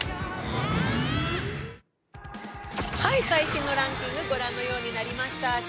最新のランキング、御覧のようになりました。